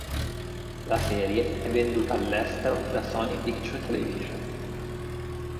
La serie è venduta all'estero da Sony Pictures Television.